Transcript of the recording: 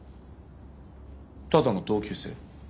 ただの同級生？